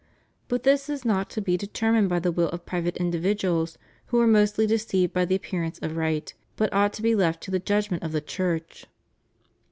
But this is not to be deter mined by the will of private individuals, who are mostly deceived by the appearance of right, but ought to be left to the judgment of the Church.